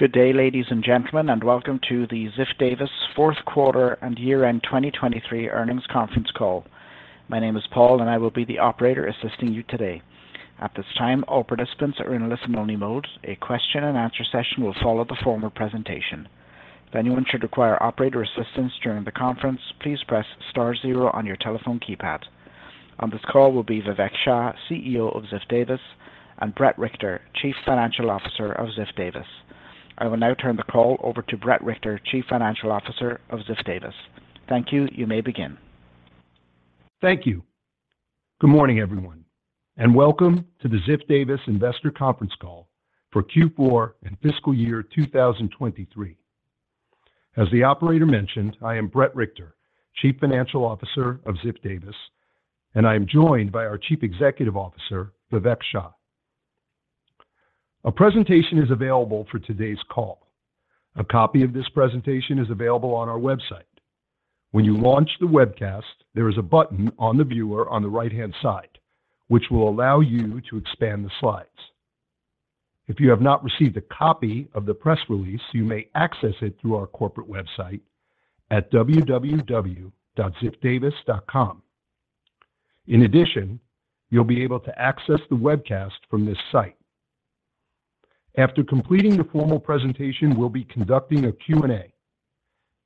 Good day, ladies and gentlemen, and welcome to the Ziff Davis fourth quarter and year-end 2023 earnings conference call. My name is Paul, and I will be the operator assisting you today. At this time, all participants are in a listen-only mode. A question and answer session will follow the formal presentation. If anyone should require operator assistance during the conference, please press star zero on your telephone keypad. On this call will be Vivek Shah, CEO of Ziff Davis, and Bret Richter, Chief Financial Officer of Ziff Davis. I will now turn the call over to Bret Richter, Chief Financial Officer of Ziff Davis. Thank you. You may begin. Thank you. Good morning, everyone, and welcome to the Ziff Davis Investor Conference Call for Q4 and fiscal year 2023. As the operator mentioned, I am Bret Richter, Chief Financial Officer of Ziff Davis, and I am joined by our Chief Executive Officer, Vivek Shah. A presentation is available for today's call. A copy of this presentation is available on our website. When you launch the webcast, there is a button on the viewer on the right-hand side, which will allow you to expand the slides. If you have not received a copy of the press release, you may access it through our corporate website at www.ziffdavis.com. In addition, you'll be able to access the webcast from this site. After completing the formal presentation, we'll be conducting a Q&A.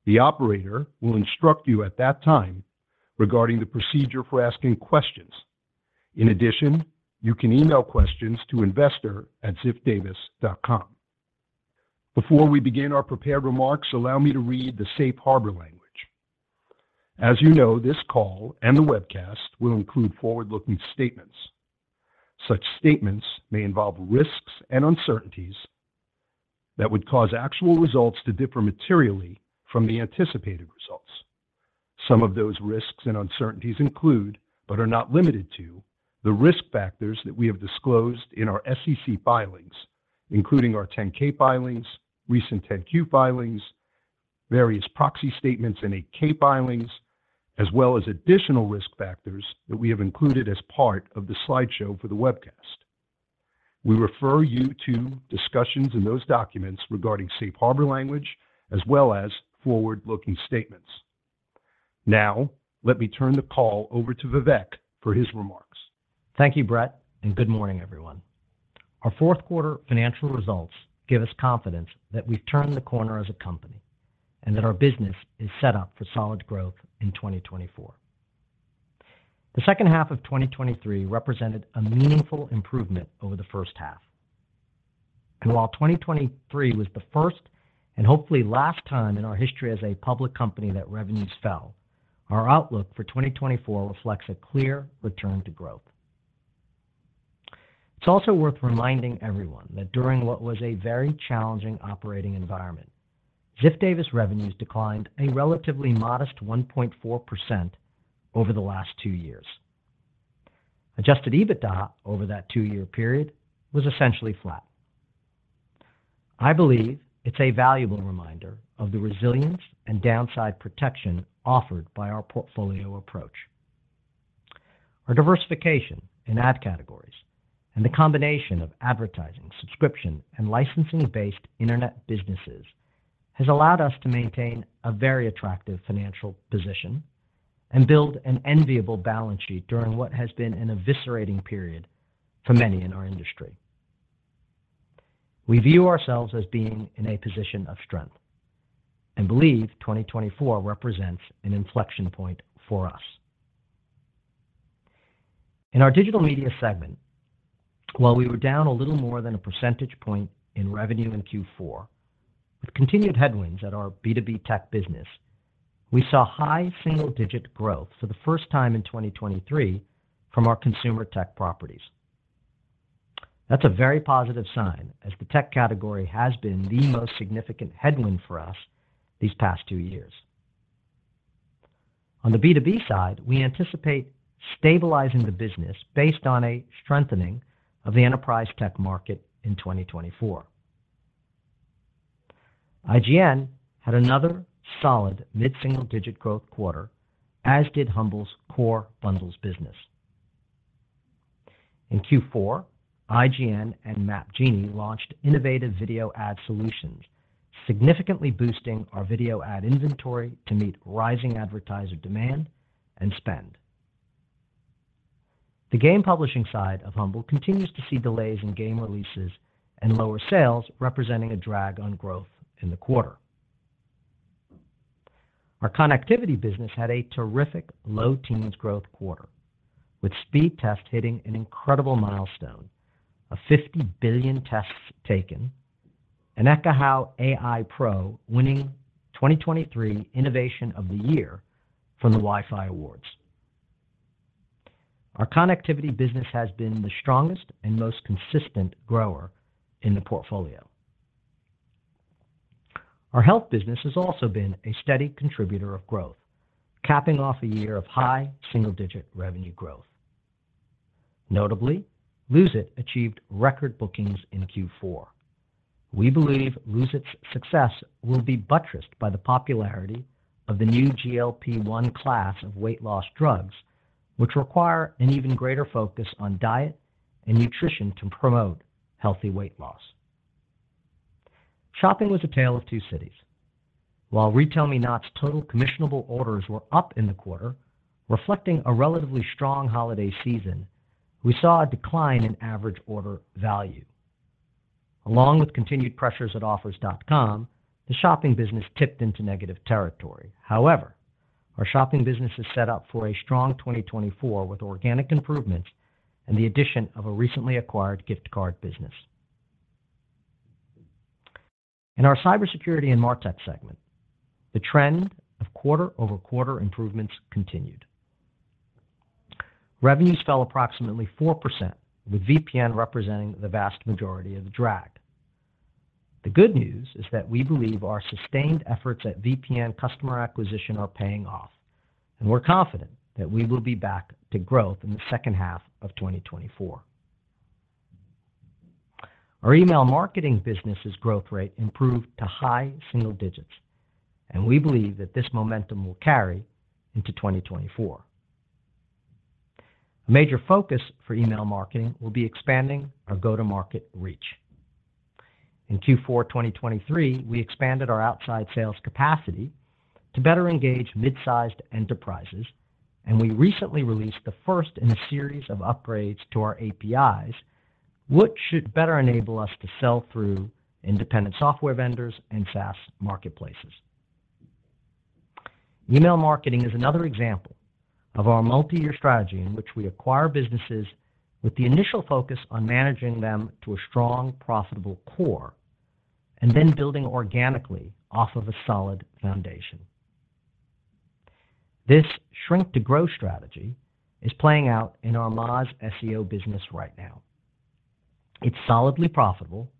The operator will instruct you at that time regarding the procedure for asking questions. In addition, you can email questions to investor@ziffdavis.com. Before we begin our prepared remarks, allow me to read the safe harbor language. As you know, this call and the webcast will include forward-looking statements. Such statements may involve risks and uncertainties that would cause actual results to differ materially from the anticipated results. Some of those risks and uncertainties include, but are not limited to, the risk factors that we have disclosed in our SEC filings, including our 10-K filings, recent 10-Q filings, various proxy statements, and 8-K filings, as well as additional risk factors that we have included as part of the slideshow for the webcast. We refer you to discussions in those documents regarding safe harbor language as well as forward-looking statements. Now, let me turn the call over to Vivek for his remarks. Thank you, Bret, and good morning, everyone. Our fourth quarter financial results give us confidence that we've turned the corner as a company and that our business is set up for solid growth in 2024. The second half of 2023 represented a meaningful improvement over the first half. And while 2023 was the first and hopefully last time in our history as a public company that revenues fell, our outlook for 2024 reflects a clear return to growth. It's also worth reminding everyone that during what was a very challenging operating environment, Ziff Davis revenues declined a relatively modest 1.4% over the last two years. Adjusted EBITDA over that two-year period was essentially flat. I believe it's a valuable reminder of the resilience and downside protection offered by our portfolio approach. Our diversification in ad categories and the combination of advertising, subscription, and licensing-based internet businesses has allowed us to maintain a very attractive financial position and build an enviable balance sheet during what has been an eviscerating period for many in our industry. We view ourselves as being in a position of strength and believe 2024 represents an inflection point for us. In our digital media segment, while we were down a little more than a percentage point in revenue in Q4, with continued headwinds at our B2B Tech business, we saw high-single-digit growth for the first time in 2023 from our consumer tech properties. That's a very positive sign, as the tech category has been the most significant headwind for us these past two years. On the B2B side, we anticipate stabilizing the business based on a strengthening of the enterprise tech market in 2024. IGN had another solid mid-single-digit growth quarter, as did Humble's core bundles business. In Q4, IGN and MapGenie launched innovative video ad solutions, significantly boosting our video ad inventory to meet rising advertiser demand and spend. The game publishing side of Humble continues to see delays in game releases and lower sales, representing a drag on growth in the quarter. Our connectivity business had a terrific low-teens growth quarter, with Speedtest hitting an incredible milestone of 50 billion tests taken, and Ekahau AI Pro winning 2023 Innovation of the Year from the Wi-Fi Awards. Our connectivity business has been the strongest and most consistent grower in the portfolio. Our health business has also been a steady contributor of growth, capping off a year of high-single-digit revenue growth. Notably, Lose It! achieved record bookings in Q4. We believe Lose It!'s success will be buttressed by the popularity of the new GLP-1 class of weight loss drugs, which require an even greater focus on diet and nutrition to promote healthy weight loss. Shopping was a tale of two cities. While RetailMeNot's total commissionable orders were up in the quarter, reflecting a relatively strong holiday season, we saw a decline in average order value. Along with continued pressures at Offers.com, the shopping business tipped into negative territory. However, our shopping business is set up for a strong 2024, with organic improvements and the addition of a recently acquired gift card business. In our cybersecurity and MarTech segment, the trend of quarter-over-quarter improvements continued. Revenues fell approximately 4%, with VPN representing the vast majority of the drag. The good news is that we believe our sustained efforts at VPN customer acquisition are paying off, and we're confident that we will be back to growth in the second half of 2024. Our email marketing business's growth rate improved to high-single-digits, and we believe that this momentum will carry into 2024. A major focus for email marketing will be expanding our go-to-market reach. In Q4 2023, we expanded our outside-sales capacity to better engage mid-sized enterprises, and we recently released the first in a series of upgrades to our APIs, which should better enable us to sell through independent software vendors and SaaS marketplaces. Email marketing is another example of our multi-year strategy in which we acquire businesses with the initial focus on managing them to a strong, profitable core and then building organically off of a solid foundation. This shrink-to-grow strategy is playing out in our Moz, SEO business right now. It's solidly profitable,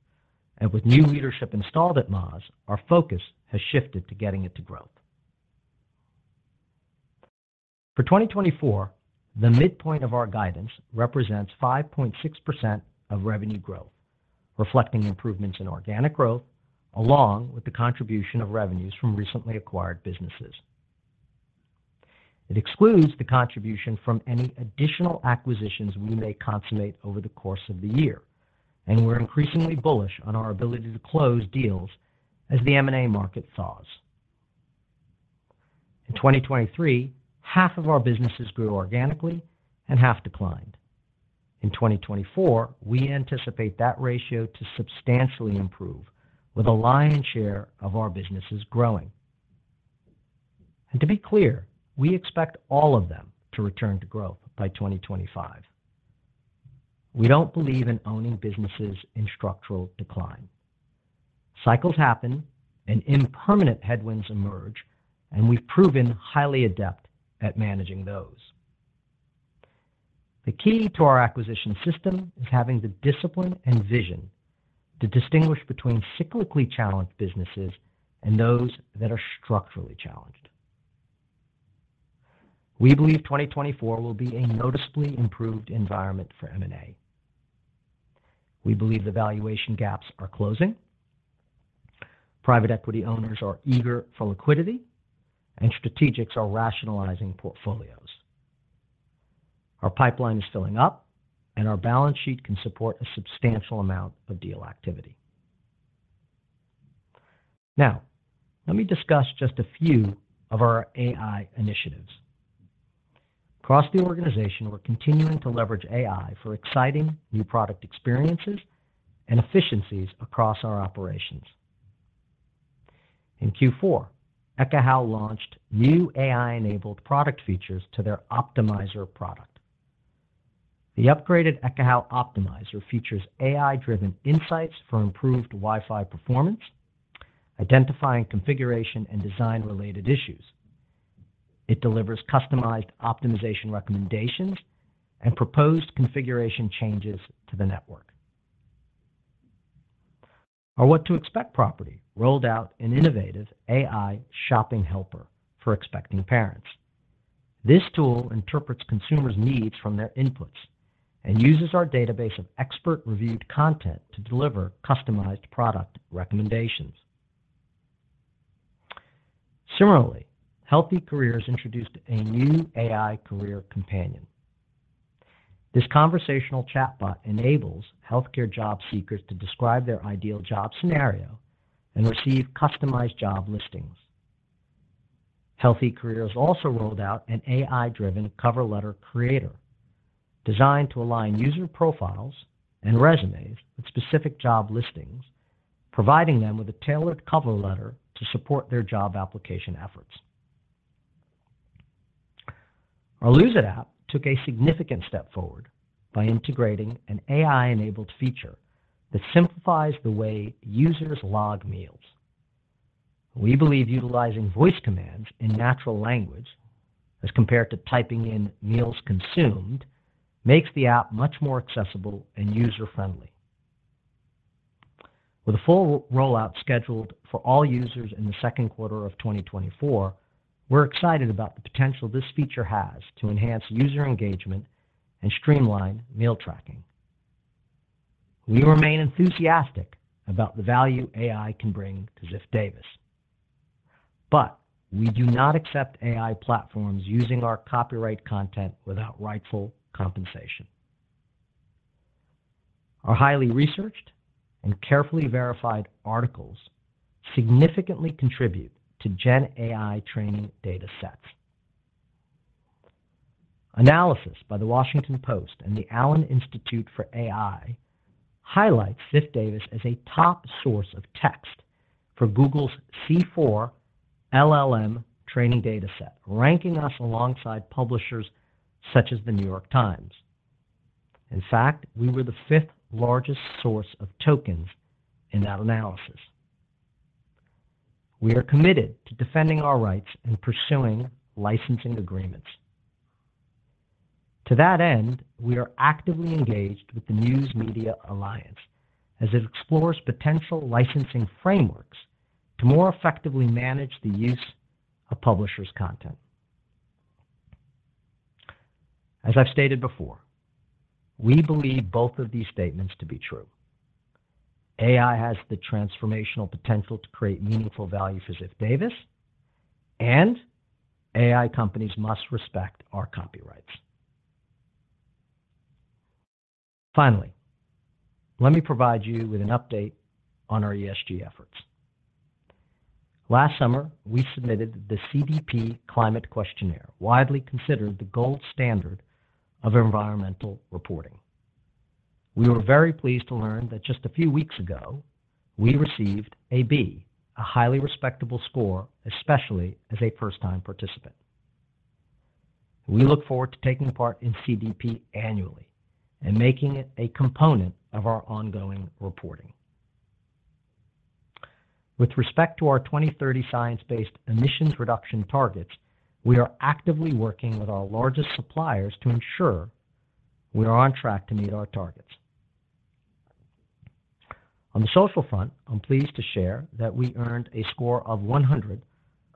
and with new leadership installed at Moz, our focus has shifted to getting it to growth. For 2024, the midpoint of our guidance represents 5.6% of revenue growth, reflecting improvements in organic growth, along with the contribution of revenues from recently acquired businesses. It excludes the contribution from any additional acquisitions we may consummate over the course of the year, and we're increasingly bullish on our ability to close deals as the M&A market thaws. In 2023, half of our businesses grew organically and half declined. In 2024, we anticipate that ratio to substantially improve, with a lion's share of our businesses growing. And to be clear, we expect all of them to return to growth by 2025. We don't believe in owning businesses in structural decline. Cycles happen and impermanent headwinds emerge, and we've proven highly adept at managing those. The key to our acquisition system is having the discipline and vision to distinguish between cyclically challenged businesses and those that are structurally challenged. We believe 2024 will be a noticeably improved environment for M&A. We believe the valuation gaps are closing, private equity owners are eager for liquidity, and strategics are rationalizing portfolios. Our pipeline is filling up, and our balance sheet can support a substantial amount of deal activity. Now, let me discuss just a few of our AI initiatives. Across the organization, we're continuing to leverage AI for exciting new product experiences and efficiencies across our operations. In Q4, Ekahau launched new AI-enabled product features to their Optimizer product. The upgraded Ekahau Optimizer features AI-driven insights for improved Wi-Fi performance, identifying configuration and design-related issues. It delivers customized optimization recommendations and proposed configuration changes to the network. Our What to Expect property rolled out an innovative AI shopping helper for expecting parents. This tool interprets consumers' needs from their inputs and uses our database of expert-reviewed content to deliver customized product recommendations. Similarly, Health eCareers introduced a new AI career companion. This conversational chatbot enables healthcare job seekers to describe their ideal job scenario and receive customized job listings. Health eCareers also rolled out an AI-driven cover letter creator designed to align user profiles and resumes with specific job listings, providing them with a tailored cover letter to support their job application efforts. Our Lose It! app took a significant step forward by integrating an AI-enabled feature that simplifies the way users log meals. We believe utilizing voice commands in natural language, as compared to typing in meals consumed, makes the app much more accessible and user-friendly. With a full rollout scheduled for all users in the second quarter of 2024, we're excited about the potential this feature has to enhance user engagement and streamline meal tracking—we remain enthusiastic about the value AI can bring to Ziff Davis, but we do not accept AI platforms using our copyright content without rightful compensation. Our highly researched and carefully verified articles significantly contribute to Gen AI training data sets. Analysis by The Washington Post and the Allen Institute for AI highlights Ziff Davis as a top source of text for Google's C4 LLM training data set, ranking us alongside publishers such as The New York Times. In fact, we were the fifth largest source of tokens in that analysis. We are committed to defending our rights and pursuing licensing agreements. To that end, we are actively engaged with the News Media Alliance as it explores potential licensing frameworks to more effectively manage the use of publishers' content. As I've stated before, we believe both of these statements to be true: AI has the transformational potential to create meaningful value for Ziff Davis, and AI companies must respect our copyrights. Finally, let me provide you with an update on our ESG efforts. Last summer, we submitted the CDP Climate Questionnaire, widely considered the gold standard of environmental reporting. We were very pleased to learn that just a few weeks ago, we received a B, a highly respectable score, especially as a first-time participant. We look forward to taking part in CDP annually and making it a component of our ongoing reporting. With respect to our 2030 science-based emissions reduction targets, we are actively working with our largest suppliers to ensure we are on track to meet our targets. On the social front, I'm pleased to share that we earned a score of 100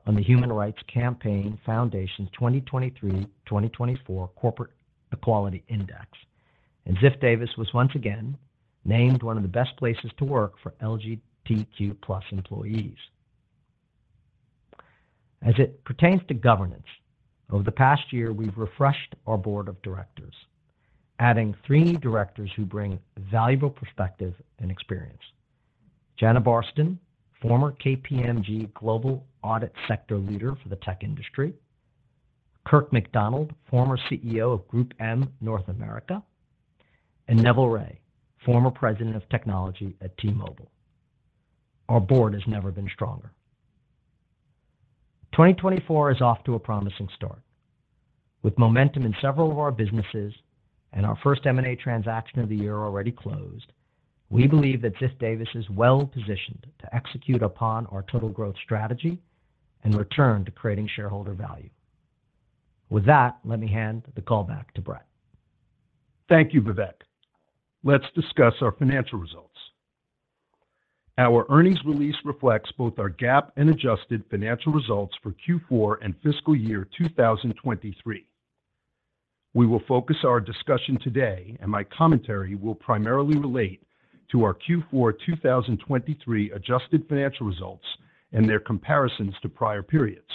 on the Human Rights Campaign Foundation's 2023/2024 Corporate Equality Index, and Ziff Davis was once again named one of the best places to work for LGBTQ+ employees. As it pertains to governance, over the past year, we've refreshed our board of directors, adding three new directors who bring valuable perspective and experience. Jana Barsten, former KPMG Global Audit Sector Leader for the tech industry, Kirk McDonald, former CEO of GroupM North America, and Neville Ray, former President of Technology at T-Mobile. Our board has never been stronger. 2024 is off to a promising start. With momentum in several of our businesses and our first M&A transaction of the year already closed, we believe that Ziff Davis is well-positioned to execute upon our total growth strategy and return to creating shareholder value. With that, let me hand the call back to Bret. Thank you, Vivek. Let's discuss our financial results. Our earnings release reflects both our GAAP and adjusted financial results for Q4 and fiscal year 2023. We will focus our discussion today, and my commentary will primarily relate to our Q4 2023 adjusted financial results and their comparisons to prior periods.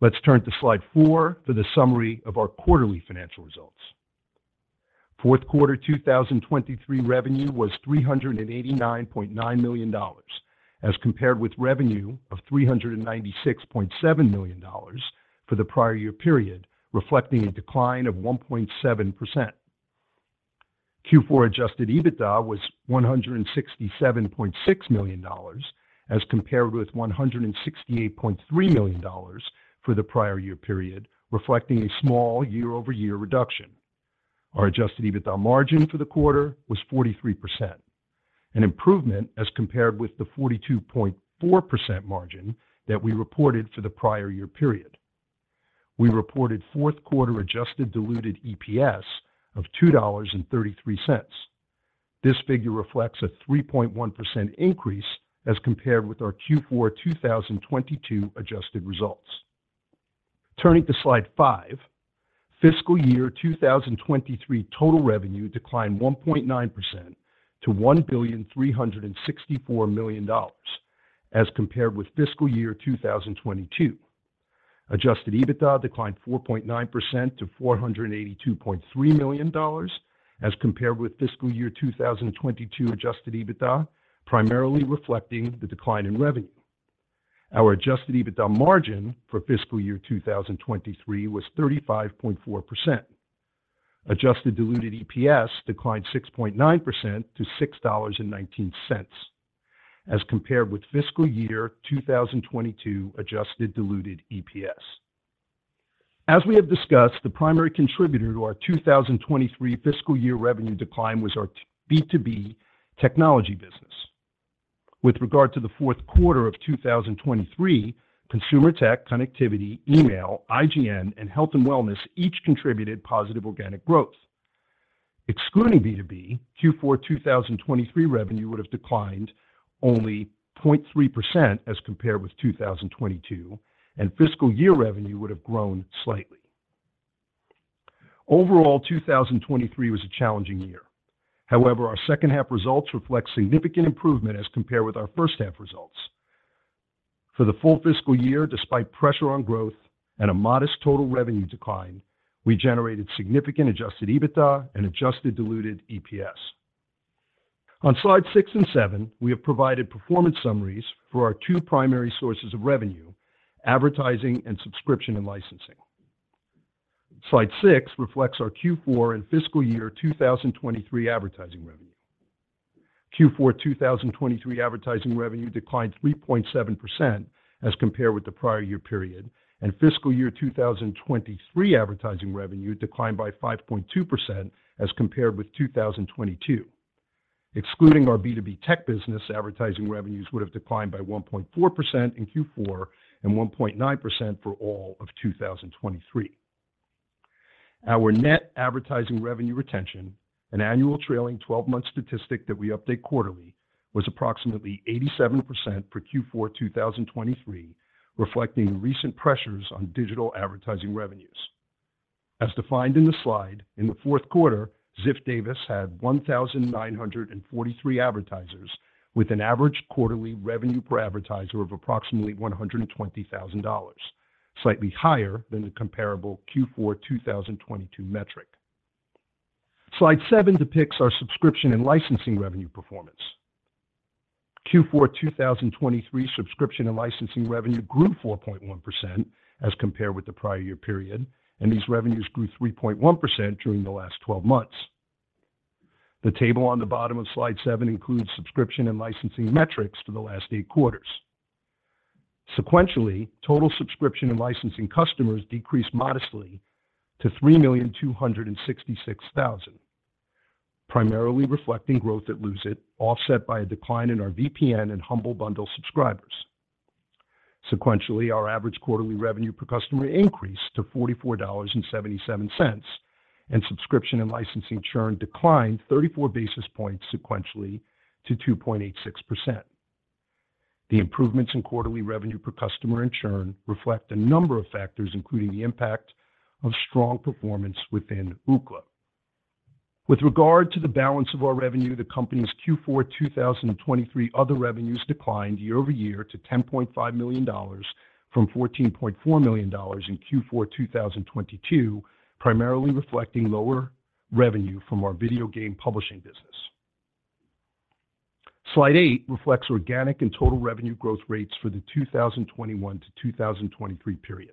Let's turn to Slide 4 for the summary of our quarterly financial results. Fourth quarter 2023 revenue was $389.9 million, as compared with revenue of $396.7 million for the prior year period, reflecting a decline of 1.7%. Q4 Adjusted EBITDA was $167.6 million, as compared with $168.3 million for the prior year period, reflecting a small year-over-year reduction. Our Adjusted EBITDA margin for the quarter was 43%, an improvement as compared with the 42.4% margin that we reported for the prior year period. We reported fourth quarter adjusted diluted EPS of $2.33. This figure reflects a 3.1% increase as compared with our Q4 2022 adjusted results. Turning to Slide 5, fiscal year 2023 total revenue declined 1.9% to $1,364 million as compared with fiscal year 2022. Adjusted EBITDA declined 4.9% to $482.3 million as compared with fiscal year 2022 Adjusted EBITDA, primarily reflecting the decline in revenue. Our Adjusted EBITDA margin for fiscal year 2023 was 35.4%. Adjusted diluted EPS declined 6.9% to $6.19 as compared with fiscal year 2022 adjusted diluted EPS. As we have discussed, the primary contributor to our 2023 fiscal year revenue decline was our B2B technology business. With regard to the fourth quarter of 2023, consumer tech, connectivity, email, IGN, and health and wellness each contributed positive organic growth. Excluding B2B, Q4 2023 revenue would have declined only 0.3% as compared with 2022, and fiscal year revenue would have grown slightly. Overall, 2023 was a challenging year. However, our second half results reflect significant improvement as compared with our first half results. For the full fiscal year, despite pressure on growth and a modest total revenue decline, we generated significant Adjusted EBITDA and adjusted diluted EPS. On Slide 6 and 7, we have provided performance summaries for our two primary sources of revenue: advertising and subscription and licensing. Slide 6 reflects our Q4 and fiscal year 2023 advertising revenue. Q4 2023 advertising revenue declined 3.7% as compared with the prior year period, and fiscal year 2023 advertising revenue declined by 5.2% as compared with 2022. Excluding our B2B Tech business, advertising revenues would have declined by 1.4% in Q4 and 1.9% for all of 2023. Our net advertising revenue retention, an annual trailing twelve-month statistic that we update quarterly, was approximately 87% for Q4 2023, reflecting recent pressures on digital advertising revenues. As defined in the slide, in the fourth quarter, Ziff Davis had 1,943 advertisers, with an average quarterly revenue per advertiser of approximately $120,000, slightly higher than the comparable Q4 2022 metric. Slide 7 depicts our subscription and licensing revenue performance. Q4 2023 subscription and licensing revenue grew 4.1% as compared with the prior year period, and these revenues grew 3.1% during the last twelve months. The table on the bottom of Slide 7 includes subscription and licensing metrics for the last eight quarters. Sequentially, total subscription and licensing customers decreased modestly to 3,266,000, primarily reflecting growth at Lose It!, offset by a decline in our VPN and Humble Bundle subscribers. Sequentially, our average quarterly revenue per customer increased to $44.77, and subscription and licensing churn declined 34 basis points sequentially to 2.86%. The improvements in quarterly revenue per customer and churn reflect a number of factors, including the impact of strong performance within Ookla. With regard to the balance of our revenue, the company's Q4 2023 other revenues declined year over year to $10.5 million from $14.4 million in Q4 2022, primarily reflecting lower revenue from our video game publishing business. Slide 8 reflects organic and total revenue growth rates for the 2021 to 2023 period.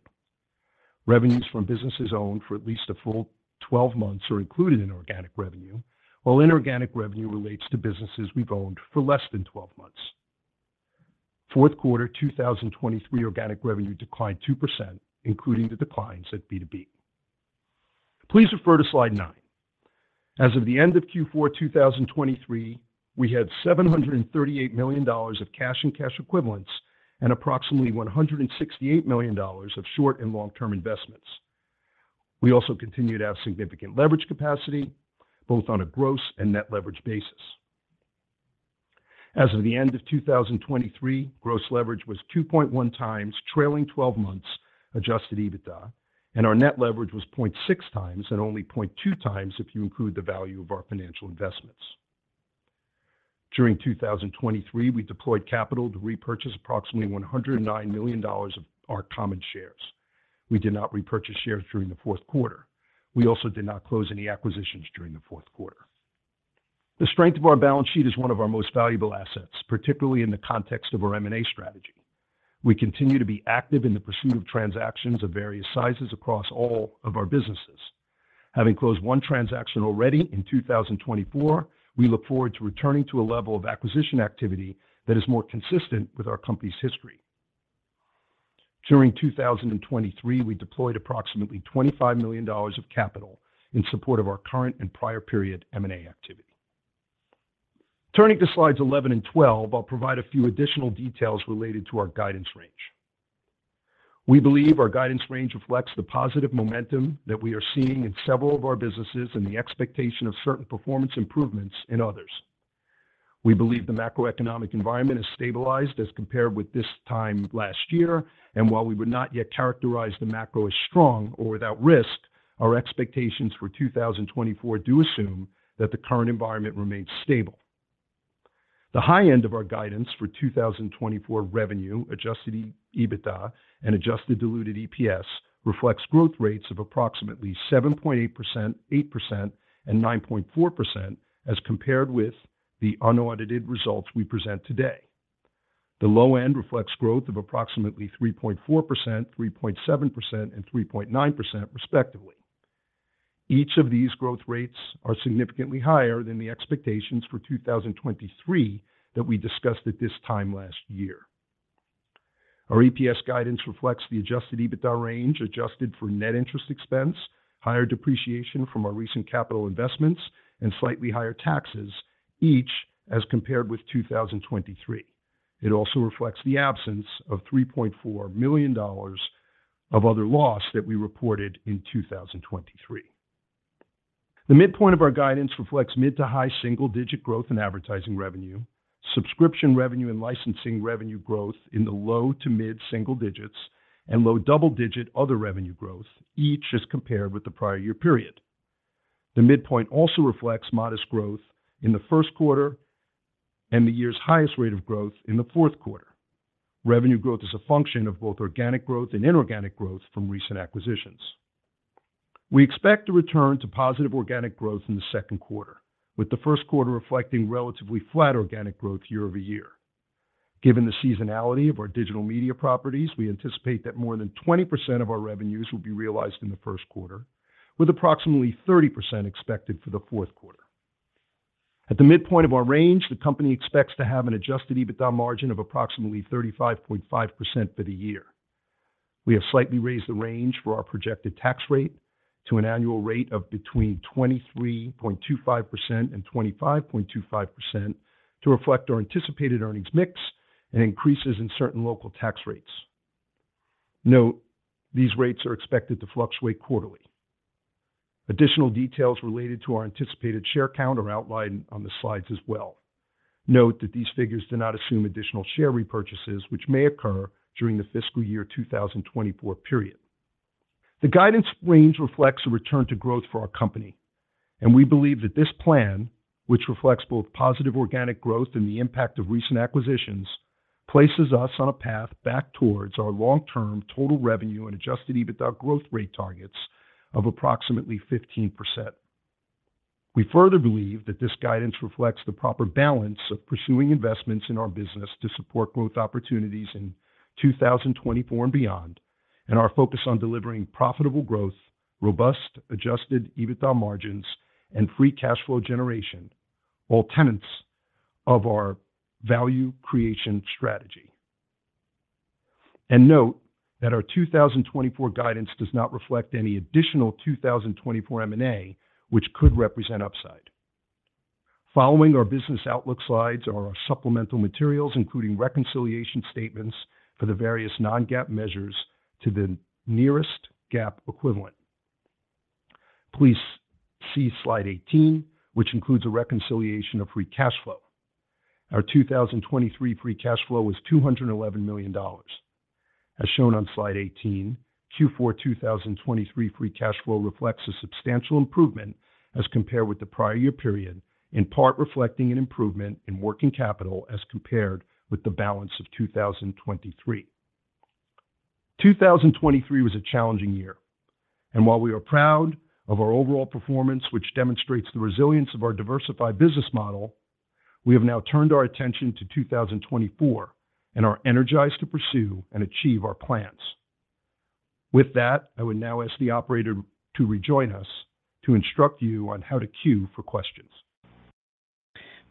Revenues from businesses owned for at least a full 12 months are included in organic revenue, while inorganic revenue relates to businesses we've owned for less than 12 months. Fourth quarter 2023 organic revenue declined 2%, including the declines at B2B. Please refer to Slide 9. As of the end of Q4 2023, we had $738 million of cash and cash equivalents and approximately $168 million of short and long-term investments. We also continued to have significant leverage capacity, both on a gross and net leverage basis. As of the end of 2023, gross leverage was 2.1 times trailing twelve months Adjusted EBITDA, and our net leverage was 0.6 times, and only 0.2 times if you include the value of our financial investments. During 2023, we deployed capital to repurchase approximately $109 million of our common shares. We did not repurchase shares during the fourth quarter. We also did not close any acquisitions during the fourth quarter. The strength of our balance sheet is one of our most valuable assets, particularly in the context of our M&A strategy. We continue to be active in the pursuit of transactions of various sizes across all of our businesses. Having closed one transaction already in 2024, we look forward to returning to a level of acquisition activity that is more consistent with our company's history. During 2023, we deployed approximately $25 million of capital in support of our current and prior period M&A activity. Turning to Slides 11 and 12, I'll provide a few additional details related to our guidance range. We believe our guidance range reflects the positive momentum that we are seeing in several of our businesses and the expectation of certain performance improvements in others. We believe the macroeconomic environment has stabilized as compared with this time last year, and while we would not yet characterize the macro as strong or without risk, our expectations for 2024 do assume that the current environment remains stable. The high end of our guidance for 2024 revenue, Adjusted EBITDA, and Adjusted diluted EPS, reflects growth rates of approximately 7.8%, 8%, and 9.4%, as compared with the unaudited results we present today. The low end reflects growth of approximately 3.4%, 3.7%, and 3.9%, respectively. Each of these growth rates are significantly higher than the expectations for 2023 that we discussed at this time last year. Our EPS guidance reflects the Adjusted EBITDA range, adjusted for net interest expense, higher depreciation from our recent capital investments, and slightly higher taxes, each as compared with 2023. It also reflects the absence of $3.4 million of other loss that we reported in 2023. The midpoint of our guidance reflects mid- to high-single-digit growth in advertising revenue, subscription revenue, and licensing revenue growth in the low- to mid-single-digits, and low double-digit other revenue growth, each as compared with the prior year period. The midpoint also reflects modest growth in the first quarter and the year's highest rate of growth in the fourth quarter. Revenue growth is a function of both organic growth and inorganic growth from recent acquisitions. We expect to return to positive organic growth in the second quarter, with the first quarter reflecting relatively flat organic growth year-over-year. Given the seasonality of our digital media properties, we anticipate that more than 20% of our revenues will be realized in the first quarter, with approximately 30% expected for the fourth quarter. At the midpoint of our range, the company expects to have an Adjusted EBITDA margin of approximately 35.5% for the year. We have slightly raised the range for our projected tax rate to an annual rate of between 23.25% and 25.25% to reflect our anticipated earnings mix and increases in certain local tax rates. Note, these rates are expected to fluctuate quarterly. Additional details related to our anticipated share count are outlined on the slides as well. Note that these figures do not assume additional share repurchases, which may occur during the fiscal year 2024 period. The guidance range reflects a return to growth for our company, and we believe that this plan, which reflects both positive organic growth and the impact of recent acquisitions, places us on a path back towards our long-term total revenue and Adjusted EBITDA growth rate targets of approximately 15%. We further believe that this guidance reflects the proper balance of pursuing investments in our business to support growth opportunities in 2024 and beyond, and our focus on delivering profitable growth, robust Adjusted EBITDA margins, and free cash flow generation, all tenets of our value creation strategy. Note that our 2024 guidance does not reflect any additional 2024 M&A, which could represent upside. Following our business outlook slides are our supplemental materials, including reconciliation statements for the various non-GAAP measures to the nearest GAAP equivalent. Please see Slide 18, which includes a reconciliation of free cash flow. Our 2023 free cash flow was $211 million. As shown on Slide 18, Q4 2023 free cash flow reflects a substantial improvement as compared with the prior year period, in part reflecting an improvement in working capital as compared with the balance of 2023. 2023 was a challenging year, and while we are proud of our overall performance, which demonstrates the resilience of our diversified business model, we have now turned our attention to 2024 and are energized to pursue and achieve our plans. With that, I will now ask the operator to rejoin us to instruct you on how to queue for questions.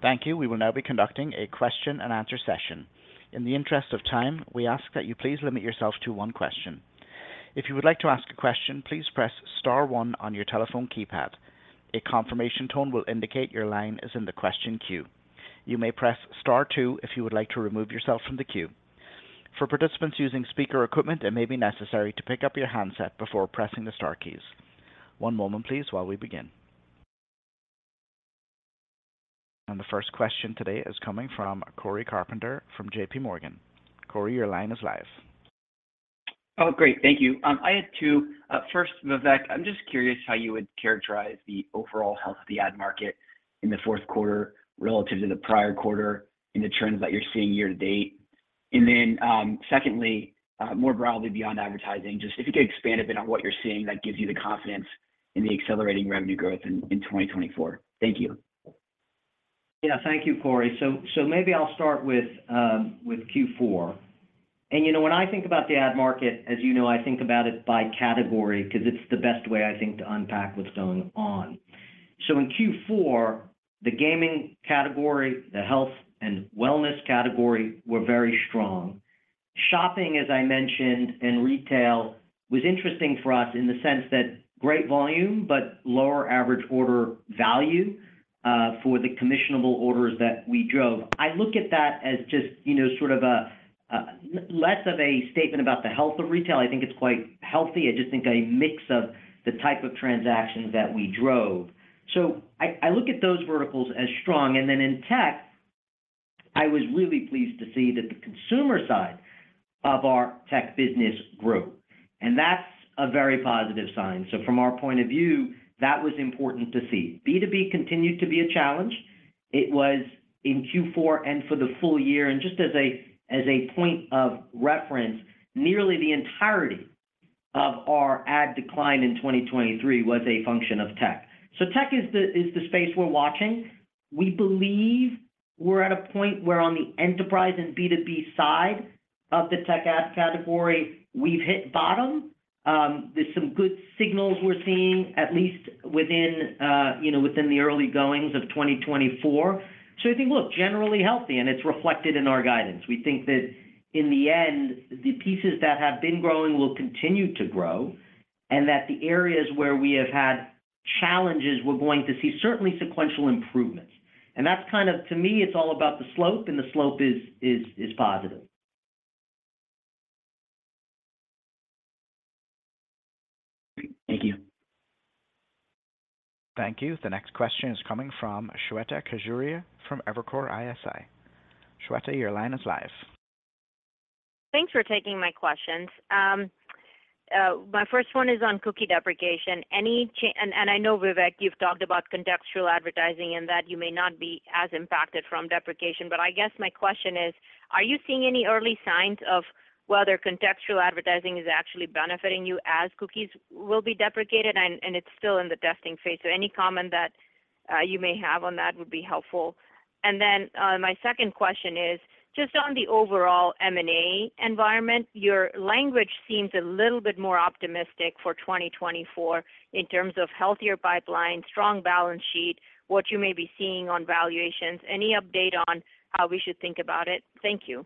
Thank you. We will now be conducting a question and answer session. In the interest of time, we ask that you please limit yourself to one question. If you would like to ask a question, please press star one on your telephone keypad. A confirmation tone will indicate your line is in the question queue. You may press star two if you would like to remove yourself from the queue. For participants using speaker equipment, it may be necessary to pick up your handset before pressing the star keys. One moment please while we begin. The first question today is coming from Cory Carpenter from J.P. Morgan. Cory, your line is live. Oh, great. Thank you. I had two. First, Vivek, I'm just curious how you would characterize the overall health of the ad market in the fourth quarter relative to the prior quarter and the trends that you're seeing year to date. And then, secondly, more broadly beyond advertising, just if you could expand a bit on what you're seeing that gives you the confidence in the accelerating revenue growth in, in 2024. Thank you. Yeah. Thank you, Cory. So maybe I'll start with Q4. And you know, when I think about the ad market, as you know, I think about it by category because it's the best way, I think, to unpack what's going on. So in Q4, the gaming category, the health and wellness category were very strong. Shopping, as I mentioned, and retail was interesting for us in the sense that great volume, but lower average order value, for the commissionable orders that we drove. I look at that as just, you know, sort of a less of a statement about the health of retail. I think it's quite healthy. I just think a mix of the type of transactions that we drove. So I look at those verticals as strong. And then in tech, I was really pleased to see that the consumer side of our tech business grew, and that's a very positive sign. So from our point of view, that was important to see. B2B continued to be a challenge. It was in Q4 and for the full year, and just as a point of reference, nearly the entirety of our ad decline in 2023 was a function of tech. So tech is the space we're watching. We believe we're at a point where on the enterprise and B2B side of the tech ad category, we've hit bottom. There's some good signals we're seeing, at least within you know within the early goings of 2024. So I think, look, generally healthy, and it's reflected in our guidance. We think that in the end, the pieces that have been growing will continue to grow, and that the areas where we have had challenges, we're going to see certainly sequential improvements. And that's kind of, to me, it's all about the slope, and the slope is positive. Thank you. Thank you. The next question is coming from Shweta Khajuria from Evercore ISI. Shweta, your line is live. Thanks for taking my questions. My first one is on cookie deprecation. I know, Vivek, you've talked about contextual advertising and that you may not be as impacted from deprecation, but I guess my question is: Are you seeing any early signs of whether contextual advertising is actually benefiting you as cookies will be deprecated? It's still in the testing phase. So any comment that you may have on that would be helpful. Then, my second question is just on the overall M&A environment. Your language seems a little bit more optimistic for 2024 in terms of healthier pipeline, strong balance sheet, what you may be seeing on valuations. Any update on how we should think about it? Thank you.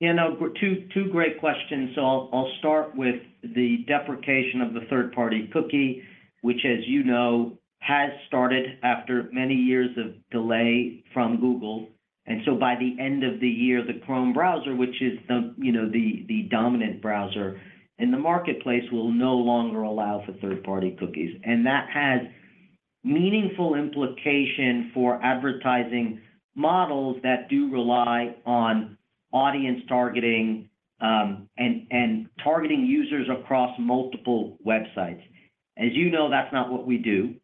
Yeah, no, two great questions. So I'll start with the deprecation of the third-party cookie, which, as you know, has started after many years of delay from Google. And so by the end of the year, the Chrome browser, which is, you know, the dominant browser in the marketplace, will no longer allow for third-party cookies. And that has meaningful implication for advertising models that do rely on audience targeting and targeting users across multiple websites. As you know, that's not what we do.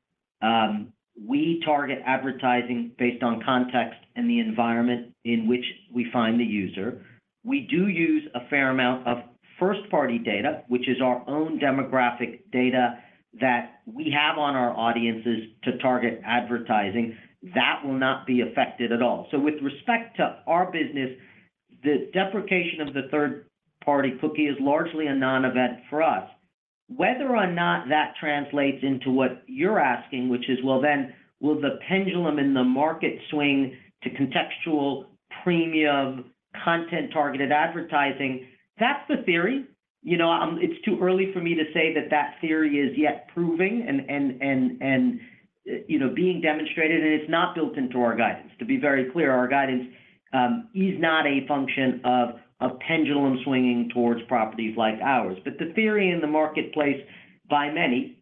We target advertising based on context and the environment in which we find the user. We do use a fair amount of first-party data, which is our own demographic data that we have on our audiences to target advertising. That will not be affected at all. So with respect to our business, the deprecation of the third-party cookie is largely a non-event for us. Whether or not that translates into what you're asking, which is, well, then, will the pendulum in the market swing to contextual, premium, content-targeted advertising? That's the theory. You know, it's too early for me to say that that theory is yet proving and you know, being demonstrated, and it's not built into our guidance. To be very clear, our guidance is not a function of pendulum swinging towards properties like ours. But the theory in the marketplace by many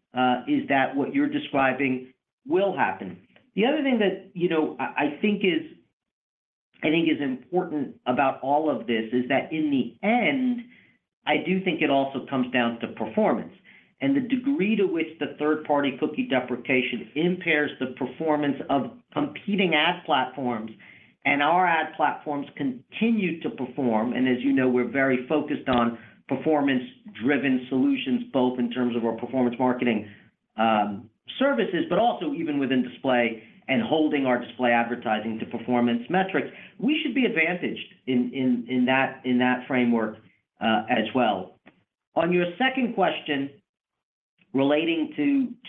is that what you're describing will happen. The other thing that, you know, I think is important about all of this is that in the end, I do think it also comes down to performance and the degree to which the third-party cookie deprecation impairs the performance of competing ad platforms, and our ad platforms continue to perform. And as you know, we're very focused on performance-driven solutions, both in terms of our performance marketing services, but also even within display and holding our display advertising to performance metrics. We should be advantaged in that framework as well. On your second question relating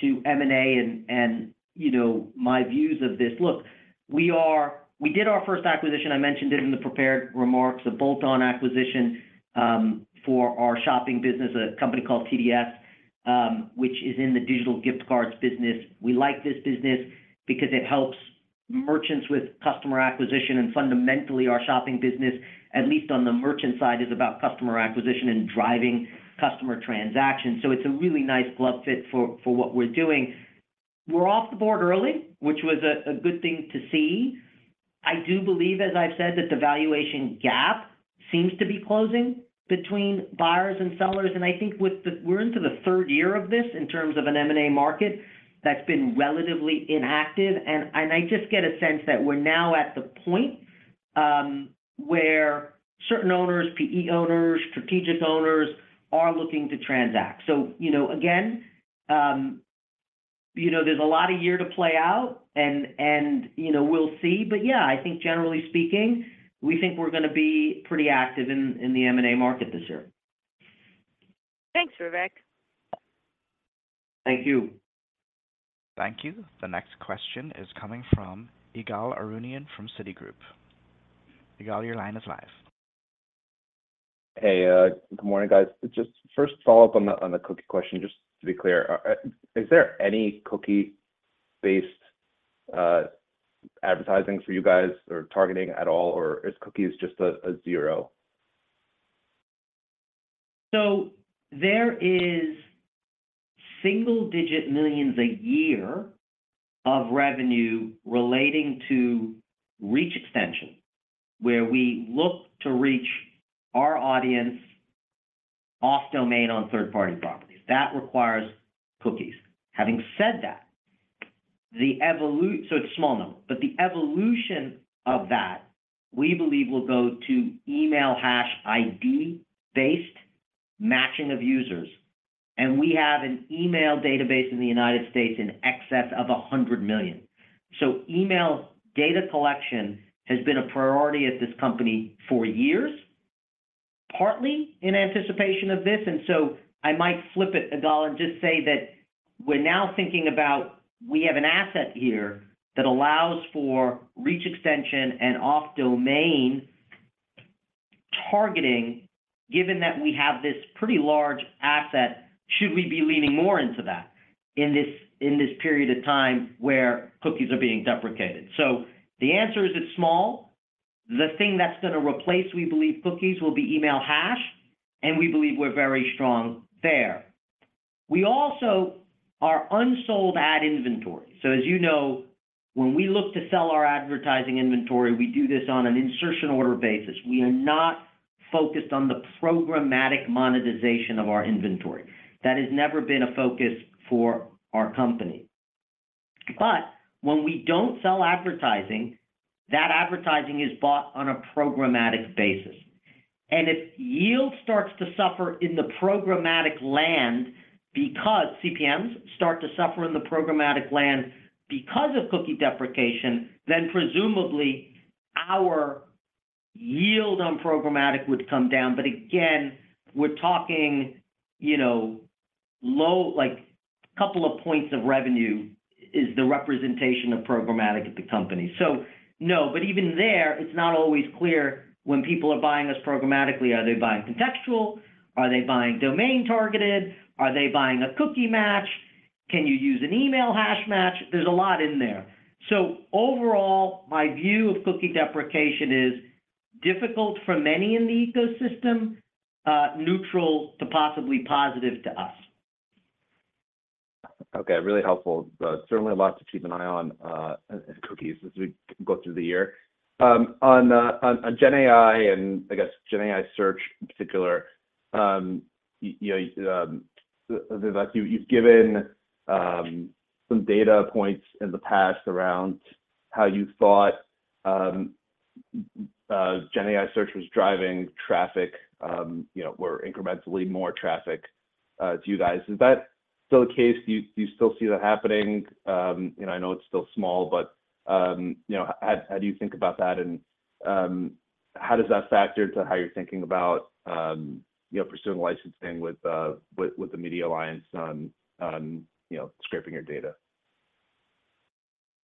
to M&A and, you know, my views of this. Look, we did our first acquisition, I mentioned it in the prepared remarks, a bolt-on acquisition, for our shopping business, a company called TDS, which is in the digital gift cards business. We like this business because it helps merchants with customer acquisition and fundamentally, our shopping business, at least on the merchant side, is about customer acquisition and driving customer transactions. So it's a really nice glove fit for what we're doing. We're off the board early, which was a good thing to see. I do believe, as I've said, that the valuation gap seems to be closing between buyers and sellers, and I think we're into the third year of this in terms of an M&A market that's been relatively inactive, and I just get a sense that we're now at the point where certain owners, PE owners, strategic owners, are looking to transact. So, you know, again, you know, there's a lot of year to play out, and you know, we'll see. But yeah, I think generally speaking, we think we're gonna be pretty active in the M&A market this year. Thanks, Vivek. Thank you. Thank you. The next question is coming from Ygal Arounian from Citigroup. Ygal, your line is live. Hey, good morning, guys. Just first follow up on the cookie question, just to be clear, is there any cookie-based advertising for you guys or targeting at all, or is cookies just a zero? So there is single-digit millions a year of revenue relating to reach extension, where we look to reach our audience off domain on third-party properties. That requires cookies. Having said that, so it's a small number, but the evolution of that, we believe, will go to email hash ID-based matching of users, and we have an email database in the United States in excess of 100 million. So email data collection has been a priority at this company for years, partly in anticipation of this. And so I might flip it, Ygal, and just say that we're now thinking about, we have an asset here that allows for reach extension and off domain targeting. Given that we have this pretty large asset, should we be leaning more into that in this, in this period of time where cookies are being deprecated? So the answer is it's small. The thing that's gonna replace, we believe, cookies will be email hash, and we believe we're very strong there. We also are unsold ad inventory. So as you know, when we look to sell our advertising inventory, we do this on an insertion order basis. We are not focused on the programmatic monetization of our inventory. That has never been a focus for our company. But when we don't sell advertising, that advertising is bought on a programmatic basis. And if yield starts to suffer in the programmatic land, because CPMs start to suffer in the programmatic land because of Cookie deprecation, then presumably, our yield on programmatic would come down. But again, we're talking, you know, low, like, couple of points of revenue is the representation of programmatic at the company. So no, but even there, it's not always clear when people are buying us programmatically. Are they buying contextual? Are they buying domain-targeted? Are they buying a cookie match? Can you use an email hash match? There's a lot in there. So overall, my view of cookie deprecation is difficult for many in the ecosystem, neutral to possibly positive to us. Okay, really helpful. Certainly a lot to keep an eye on, cookies as we go through the year. On GenAI and I guess GenAI search in particular, you know, like, you've given some data points in the past around how you thought GenAI search was driving traffic, you know, were incrementally more traffic to you guys. Is that still the case? Do you still see that happening? You know, I know it's still small, but, you know, how do you think about that, and how does that factor into how you're thinking about, you know, pursuing licensing with the Media Alliance on, you know, scraping your data?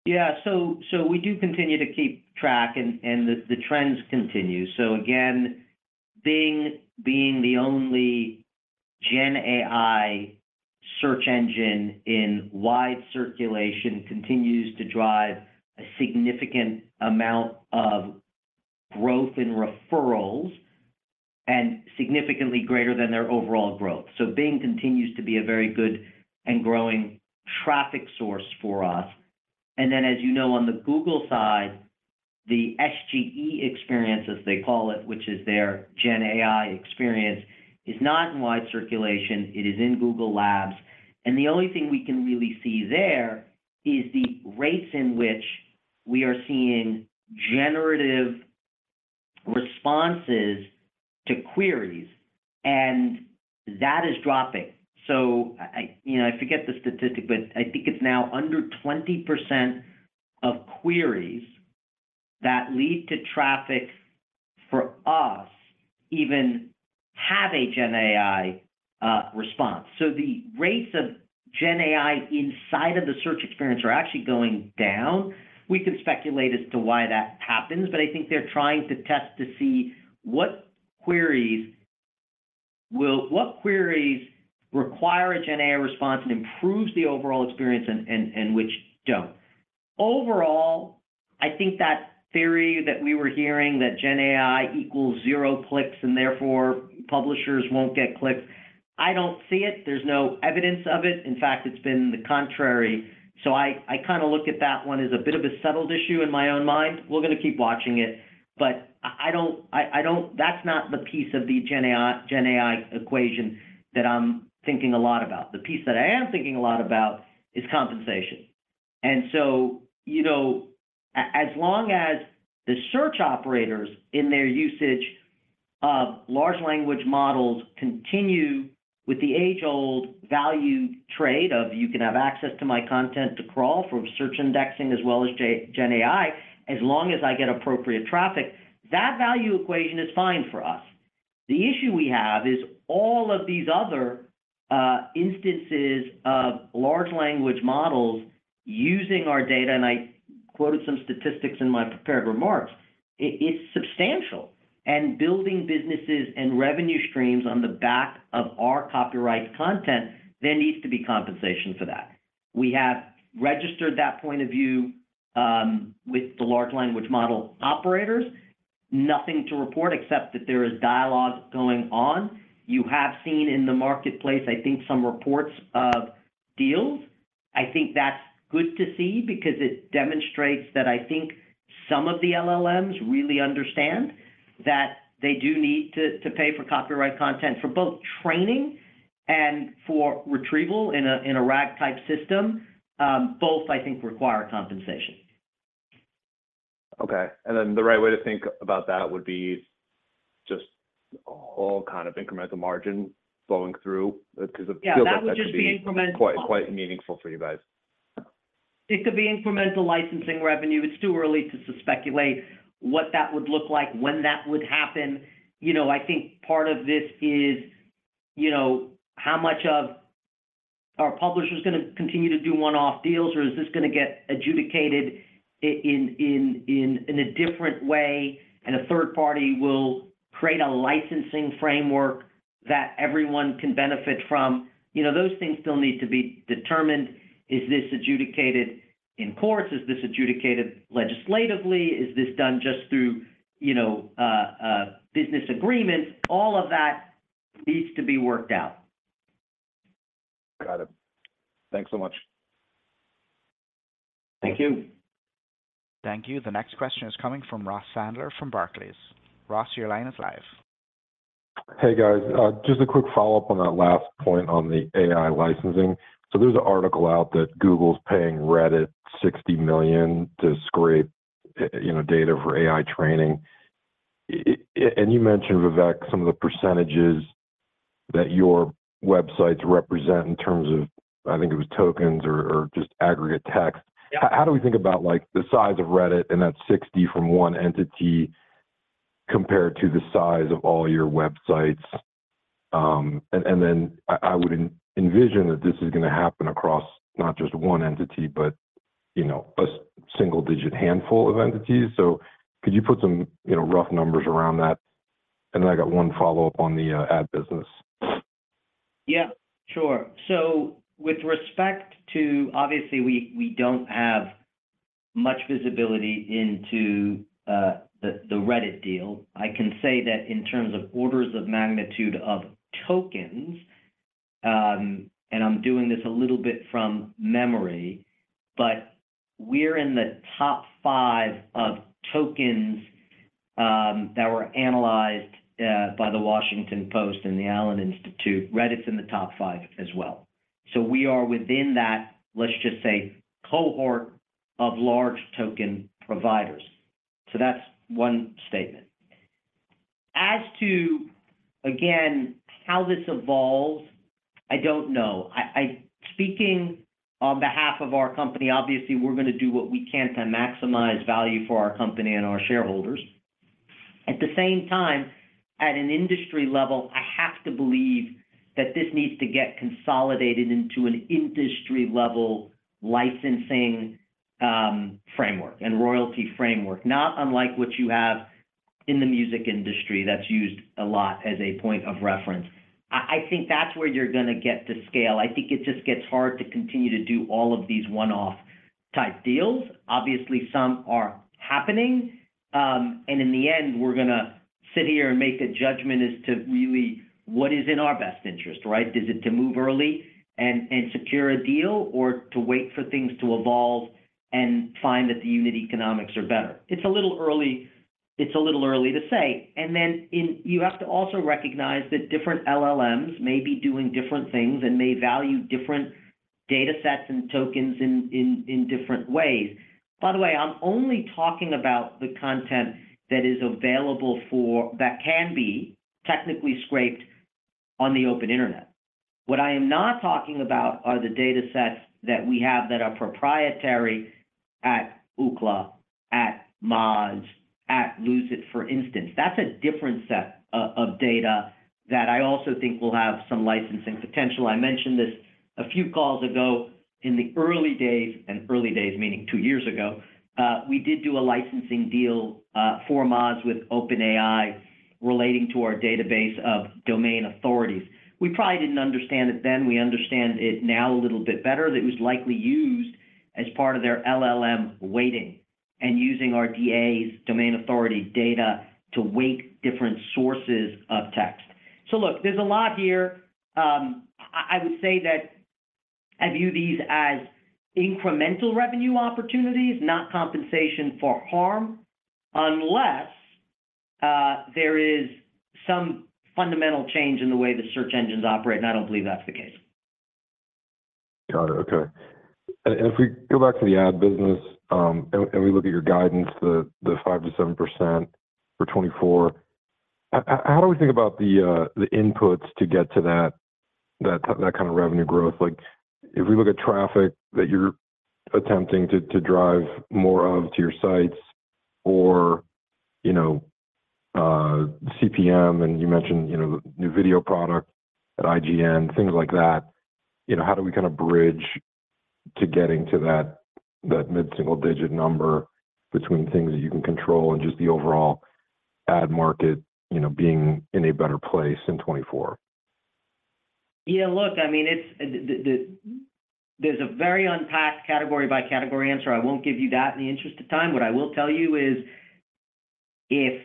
Yeah, so we do continue to keep track, and the trends continue. So again, Bing being the only Gen AI search engine in wide circulation, continues to drive a significant amount of growth in referrals, and significantly greater than their overall growth. So Bing continues to be a very good and growing traffic source for us. And then, as you know, on the Google side, the SGE experience, as they call it, which is their GenAI experience, is not in wide circulation. It is in Google Labs. And the only thing we can really see there is the rates in which we are seeing generative responses to queries, and that is dropping. So I, you know, I forget the statistic, but I think it's now under 20% of queries that lead to traffic for us, even have a GenAI response. So the rates of GenAI inside of the search experience are actually going down. We can speculate as to why that happens, but I think they're trying to test to see what queries require a GenAI response and improves the overall experience and which don't. Overall, I think that theory that we were hearing, that GenAI equals zero clicks, and therefore publishers won't get clicks, I don't see it. There's no evidence of it. In fact, it's been the contrary. So I kind of look at that one as a bit of a settled issue in my own mind. We're gonna keep watching it, but I don't. That's not the piece of the GenAI, GenAI equation that I'm thinking a lot about. The piece that I am thinking a lot about is compensation. And so, you know, as long as the search operators in their usage of large language models continue with the age-old value trade of, "You can have access to my content to crawl from search indexing as well as GenAI, as long as I get appropriate traffic," that value equation is fine for us. The issue we have is all of these other instances of large language models using our data, and I quoted some statistics in my prepared remarks. It's substantial. And building businesses and revenue streams on the back of our copyright content, there needs to be compensation for that. We have registered that point of view with the large language model operators. Nothing to report, except that there is dialogue going on. You have seen in the marketplace, I think, some reports of deals. I think that's good to see because it demonstrates that I think some of the LLMs really understand that they do need to, to pay for copyright content, for both training and for retrieval in a, in a RAG-type system. Both, I think, require compensation. Okay, and then the right way to think about that would be just all kind of incremental margin flowing through, because— Yeah, that would just be incremental. Quite meaningful for you guys. It could be incremental licensing revenue. It's too early to speculate what that would look like, when that would happen. You know, I think part of this is, you know, how much are publishers gonna continue to do one-off deals, or is this gonna get adjudicated in a different way, and a third party will create a licensing framework? That everyone can benefit from. You know, those things still need to be determined. Is this adjudicated in courts? Is this adjudicated legislatively? Is this done just through, you know, business agreements? All of that needs to be worked out. Got it. Thanks so much. Thank you. Thank you. The next question is coming from Ross Sandler from Barclays. Ross, your line is live. Hey, guys. Just a quick follow-up on that last point on the AI licensing. So there's an article out that Google's paying Reddit $60 million to scrape, you know, data for AI training. And you mentioned, Vivek, some of the percentages that your websites represent in terms of, I think it was tokens or just aggregate text. Yeah. How do we think about, like, the size of Reddit and that 60 from one entity compared to the size of all your websites? And then I would envision that this is gonna happen across not just one entity, but, you know, a single-digit handful of entities. So could you put some, you know, rough numbers around that? And then I got one follow-up on the ad business. Yeah, sure. So with respect to—obviously, we don't have much visibility into the Reddit deal. I can say that in terms of orders of magnitude of tokens, and I'm doing this a little bit from memory, but we're in the top five of tokens that were analyzed by The Washington Post and the Allen Institute. Reddit's in the top five as well. So we are within that, let's just say, cohort of large token providers. So that's one statement. As to, again, how this evolves, I don't know. Speaking on behalf of our company, obviously, we're gonna do what we can to maximize value for our company and our shareholders. At the same time, at an industry level, I have to believe that this needs to get consolidated into an industry-level licensing framework and royalty framework, not unlike what you have in the music industry. That's used a lot as a point of reference. I think that's where you're gonna get to scale. I think it just gets hard to continue to do all of these one-off type deals. Obviously, some are happening. And in the end, we're gonna sit here and make a judgment as to really what is in our best interest, right? Is it to move early and secure a deal or to wait for things to evolve and find that the unit economics are better? It's a little early, it's a little early to say. And then you have to also recognize that different LLMs may be doing different things and may value different data sets and tokens in different ways. By the way, I'm only talking about the content that is available that can be technically scraped on the open internet. What I am not talking about are the data sets that we have that are proprietary at Ookla, at Moz, at Lose It!, for instance. That's a different set of data that I also think will have some licensing potential. I mentioned this a few calls ago. In the early days, and early days meaning two years ago, we did do a licensing deal for Moz with OpenAI relating to our database of Domain Authorities. We probably didn't understand it then. We understand it now a little bit better, that it was likely used as part of their LLM weighting and using our DAs, Domain Authority data, to weight different sources of text. So look, there's a lot here. I would say that I view these as incremental revenue opportunities, not compensation for harm, unless there is some fundamental change in the way the search engines operate, and I don't believe that's the case. Got it. Okay. And if we go back to the ad business, and we look at your guidance, the 5%-7% for 2024, how do we think about the inputs to get to that kind of revenue growth? Like, if we look at traffic that you're attempting to drive more of to your sites or, you know, CPM, and you mentioned, you know, new video product at IGN, things like that. You know, how do we kind of bridge to getting to that mid-single-digit number between things that you can control and just the overall ad market, you know, being in a better place in 2024? Yeah, look, I mean, it's. There's a very unpacked category-by-category answer. I won't give you that in the interest of time. What I will tell you is if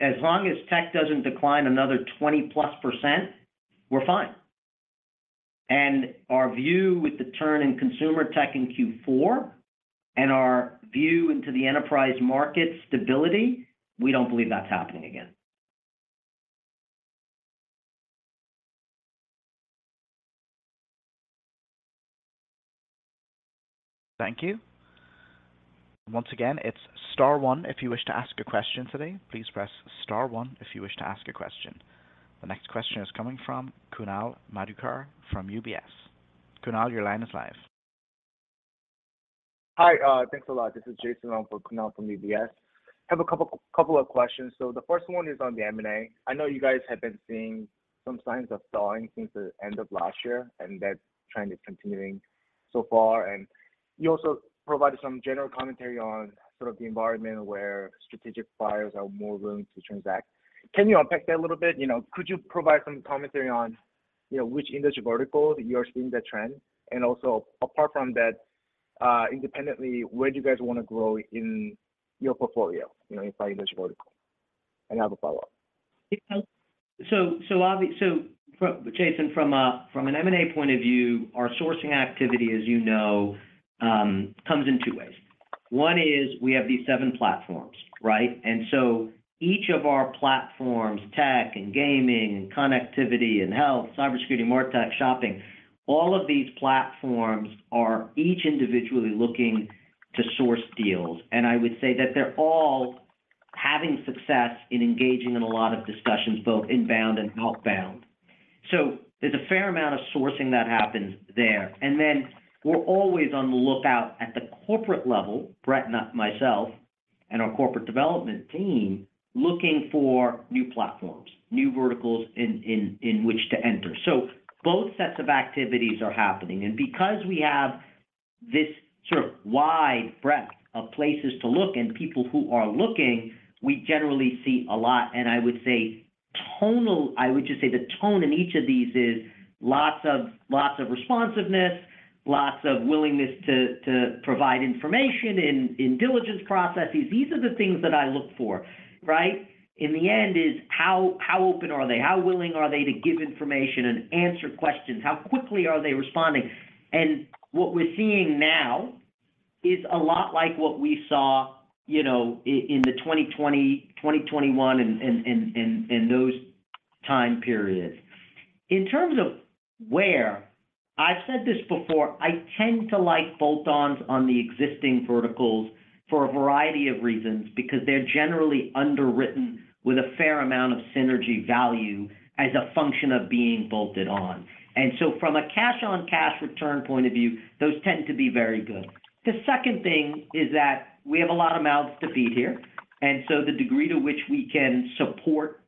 as long as tech doesn't decline another 20%+, we're fine. And our view with the turn in consumer tech in Q4 and our view into the enterprise market stability, we don't believe that's happening again. Thank you. Once again, it's star one if you wish to ask a question today. Please press star one if you wish to ask a question. The next question is coming from Kunal Madhukar from UBS. Kunal, your line is live. Hi, thanks a lot. This is Jason Lam for Kunal from UBS. I have a couple of questions. So the first one is on the M&A. I know you guys have been seeing some signs of thawing since the end of last year, and that trend is continuing so far, and you also provided some general commentary on sort of the environment where strategic buyers are more willing to transact. Can you unpack that a little bit? You know, could you provide some commentary on, you know, which industry vertical that you are seeing that trend? And also, apart from that, independently, where do you guys wanna grow in your portfolio, you know, in by industry vertical? And I have a follow-up. Yeah. So from Jason—from an M&A point of view, our sourcing activity, as you know, comes in two ways. One is we have these seven platforms, right? And so each of our platforms, tech and gaming, and connectivity, and health, cybersecurity, MarTech, shopping, all of these platforms are each individually looking to source deals. And I would say that they're all having success in engaging in a lot of discussions, both inbound and outbound. So there's a fair amount of sourcing that happens there. And then we're always on the lookout at the corporate level, Bret and myself, and our corporate development team, looking for new platforms, new verticals in which to enter. So both sets of activities are happening, and because we have this sort of wide breadth of places to look and people who are looking, we generally see a lot. I would say tonal—I would just say the tone in each of these is lots of, lots of responsiveness, lots of willingness to, to provide information in, in diligence processes. These are the things that I look for, right? In the end, is how, how open are they? How willing are they to give information and answer questions? How quickly are they responding? And what we're seeing now is a lot like what we saw, you know, in the 2020, 2021, and, and, and, and those time periods. In terms of where, I've said this before. I tend to like bolt-ons on the existing verticals for a variety of reasons, because they're generally underwritten with a fair amount of synergy value as a function of being bolted on. And so from a cash-on-cash return point of view, those tend to be very good. The second thing is that we have a lot of mouths to feed here, and so the degree to which we can support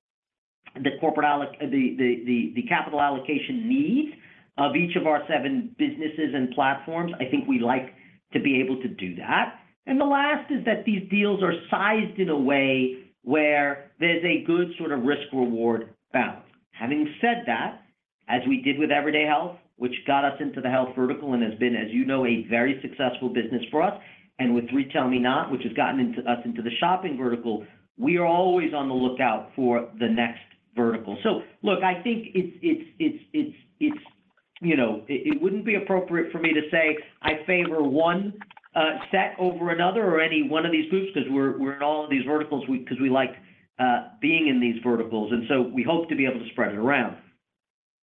the corporate allocation, the capital allocation needs of each of our seven businesses and platforms, I think we like to be able to do that. And the last is that these deals are sized in a way where there's a good sort of risk-reward balance. Having said that, as we did with Everyday Health, which got us into the health vertical and has been, as you know, a very successful business for us, and with RetailMeNot, which has gotten us into the shopping vertical, we are always on the lookout for the next vertical. So look, I think it's, you know, it wouldn't be appropriate for me to say I favor one set over another or any one of these groups, because we're in all of these verticals, because we like being in these verticals, and so we hope to be able to spread it around.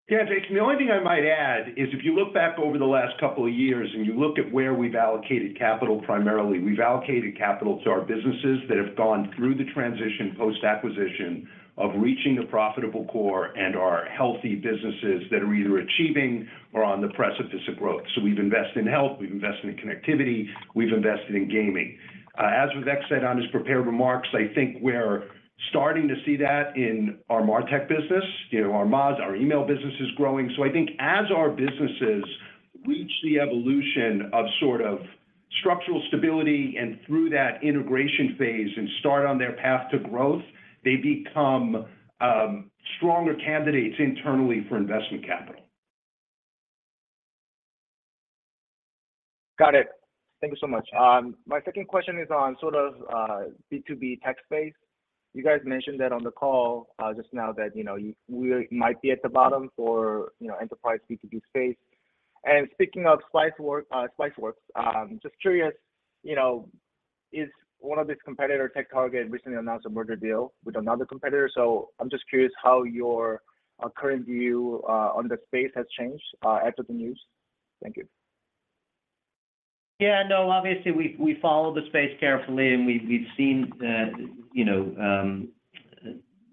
Yeah, Jason, the only thing I might add is if you look back over the last couple of years and you look at where we've allocated capital, primarily, we've allocated capital to our businesses that have gone through the transition post-acquisition of reaching a profitable core and are healthy businesses that are either achieving or on the precipice of growth. So we've invested in health, we've invested in connectivity, we've invested in gaming. As Vivek said on his prepared remarks, I think we're starting to see that in our MarTech business. You know, our Moz, our email business is growing. So I think as our businesses reach the evolution of sort of structural stability and through that integration phase and start on their path to growth, they become stronger candidates internally for investment capital. Got it. Thank you so much. My second question is on sort of the B2B tech space. You guys mentioned that on the call just now that you know you—we might be at the bottom for you know enterprise B2B space. And speaking of Spiceworks just curious you know is one of its competitor TechTarget recently announced a merger deal with another competitor. So I'm just curious how your current view on the space has changed after the news. Thank you. Yeah, no, obviously, we follow the space carefully, and we've seen the, you know,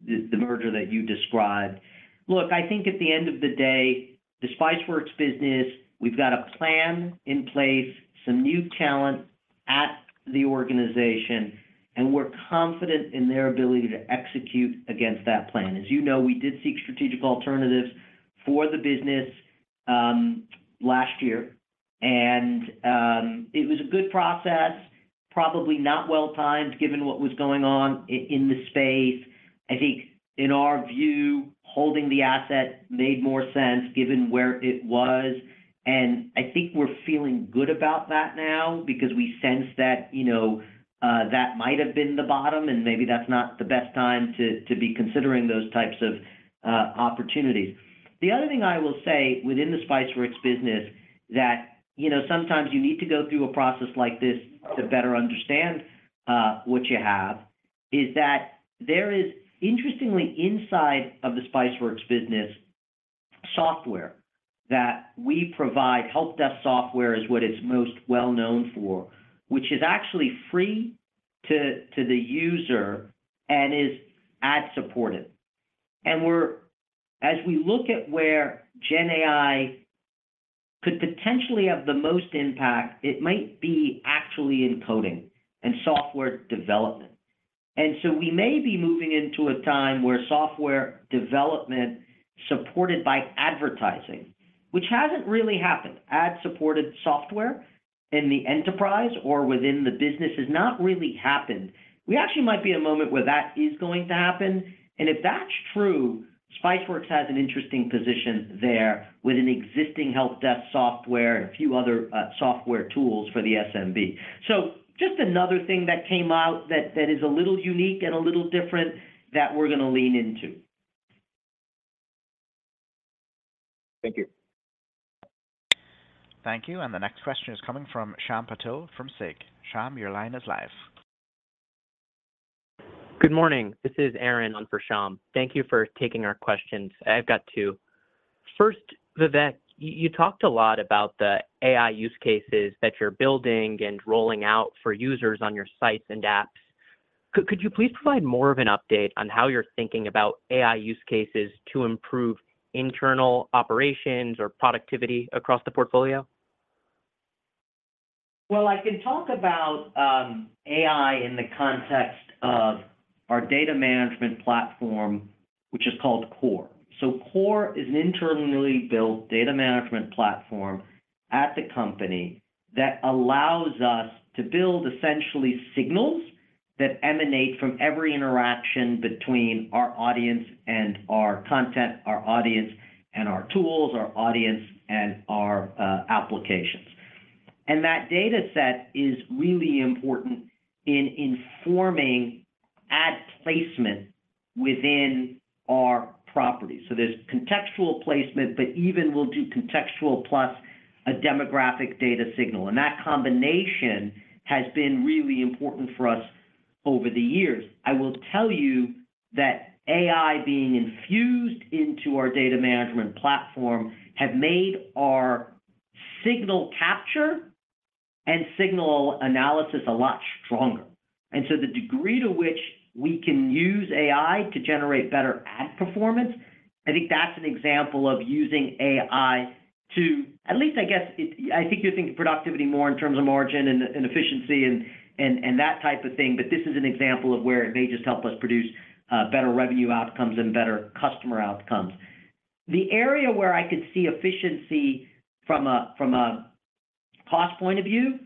the merger that you described. Look, I think at the end of the day, the Spiceworks business, we've got a plan in place, some new talent at the organization, and we're confident in their ability to execute against that plan. As you know, we did seek strategic alternatives for the business last year, and it was a good process, probably not well-timed, given what was going on in the space. I think in our view, holding the asset made more sense given where it was, and I think we're feeling good about that now because we sense that, you know, that might have been the bottom, and maybe that's not the best time to be considering those types of opportunities. The other thing I will say within the Spiceworks business, that, you know, sometimes you need to go through a process like this to better understand what you have, is that there is interestingly inside of the Spiceworks business software that we provide. Help-desk software is what it's most well known for, which is actually free to the user and is ad-supported. We're. As we look at where GenAI could potentially have the most impact, it might be actually in coding and software development. And so we may be moving into a time where software development supported by advertising, which hasn't really happened. Ad-supported software in the enterprise or within the business has not really happened. We actually might be in a moment where that is going to happen, and if that's true, Spiceworks has an interesting position there with an existing help-desk software and a few other software tools for the SMB. So just another thing that came out that is a little unique and a little different, that we're gonna lean into. Thank you. Thank you. The next question is coming from Shyam Patil from SIG. Shyam, your line is live. Good morning. This is Aaron on for Shyam. Thank you for taking our questions. I've got two. First, Vivek, you talked a lot about the AI use cases that you're building and rolling out for users on your sites and apps. Could you please provide more of an update on how you're thinking about AI use cases to improve internal operations or productivity across the portfolio? Well, I can talk about AI in the context of our data management platform, which is called Core. So Core is an internally built data management platform at the company that allows us to build essentially signals that emanate from every interaction between our audience and our content, our audience and our tools, our audience and our applications. And that data set is really important in informing ad placement within our properties. So there's contextual placement, but even we'll do contextual plus a demographic data signal, and that combination has been really important for us over the years. I will tell you that AI being infused into our data management platform have made our signal capture and signal analysis a lot stronger. And so the degree to which we can use AI to generate better ad performance, I think that's an example of using AI to at least I guess, I think you're thinking productivity more in terms of margin and, and efficiency and, and, and that type of thing, but this is an example of where it may just help us produce better revenue outcomes and better customer outcomes. The area where I could see efficiency from a cost point of view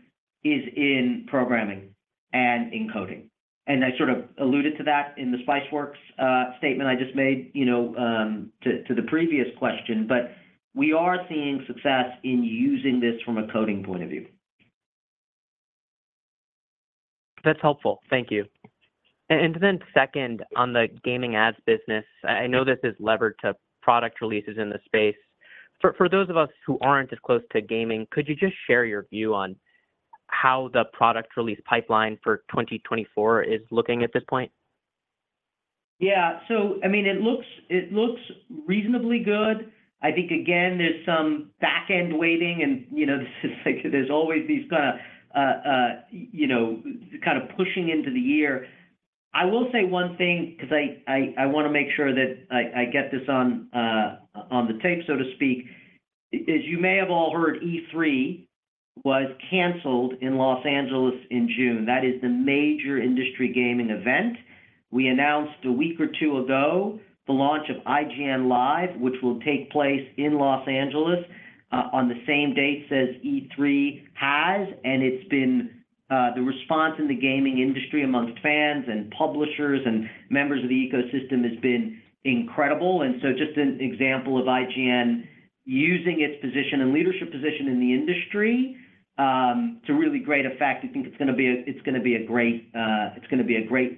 is in programming and in coding, and I sort of alluded to that in the Spiceworks statement I just made, you know, to the previous question. But we are seeing success in using this from a coding point of view. That's helpful. Thank you. And then, second, on the gaming ads business, I know this is levered to product releases in the space. For those of us who aren't as close to gaming, could you just share your view on how the product release pipeline for 2024 is looking at this point? Yeah. So, I mean, it looks, it looks reasonably good. I think, again, there's some back-end weighting and, you know, there's always these kinda, you know, kind of pushing into the year. I will say one thing because I, I, I wanna make sure that I, I get this on, on the tape, so to speak. As you may have all heard, E3 was canceled in Los Angeles in June. That is the major industry gaming event. We announced a week or two ago the launch of IGN Live, which will take place in Los Angeles, on the same dates as E3 has, and it's been—the response in the gaming industry amongst fans and publishers and members of the ecosystem has been incredible, and so just an example of IGN using its position and leadership position in the industry, to really great effect. I think it's gonna be a great